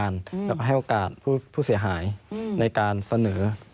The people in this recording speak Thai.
ในการเสนอ